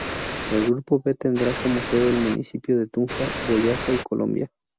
El grupo B tendrá como sede el municipio de Tunja, Boyacá, Colombia.